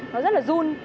nó rất là run